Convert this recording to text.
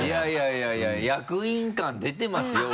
いやいや役員感出てますよ